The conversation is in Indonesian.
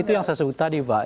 itu yang saya sebut tadi pak